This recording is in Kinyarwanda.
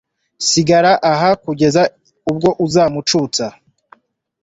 sigara aha kugeza ubwo uzamucutsa